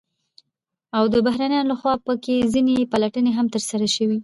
او د بهرنيانو لخوا په كې ځنې پلټنې هم ترسره شوې،